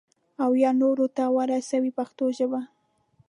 او یا نورو ته ورسوي په پښتو ژبه.